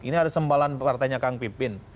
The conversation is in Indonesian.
ini ada sempalan partainya kang pipin